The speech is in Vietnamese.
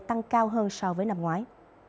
tăng cao hơn so với năm ngoái